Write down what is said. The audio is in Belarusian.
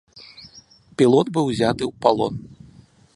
Пілот быў узяты ў палон.